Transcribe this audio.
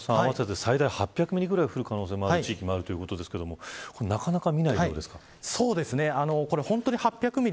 天達さん、２日間で合わせて８００ミリぐらい降る可能性がある地域もあるということですがなかなか見ないということですか。